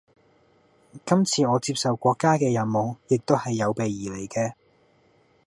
今次我接受國家嘅任務，亦都係有備而嚟嘅